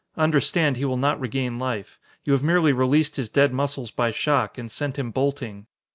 Understand, he will not regain life. You have merely released his dead muscles by shock, and sent him bolting."